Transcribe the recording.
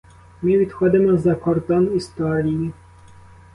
Ми відходимо за кордон історії.